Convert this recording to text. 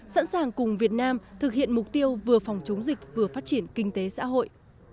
sẵn sàng cùng việt nam thực hiện mục tiêu vừa phòng chống dịch vừa phát triển kinh tế xã hội